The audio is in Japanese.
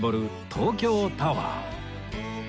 東京タワー